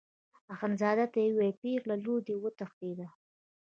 اخندزاده ته یې وویل پېغله لور دې وتښتېده.